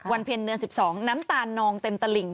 วันเพียรภ์เดือน๑๒น้ำตานนองเต็มตระลิง